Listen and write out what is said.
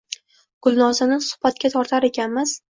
Gulnozani suhbatga tortar ekanmiz.